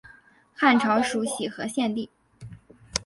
汉朝属徒河县地。